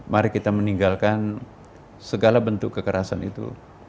mari kita meninggalkan segala bentuk kekerasan itu